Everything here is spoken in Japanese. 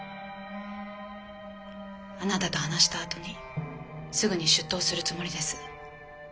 あなたと話したあとにすぐに出頭するつもりです。